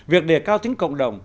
việc đề cao tính cộng đồng